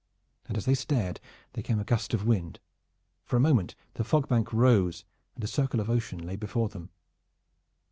And as they stared there came a gust of wind. For a moment the fog bank rose and a circle of ocean lay before them.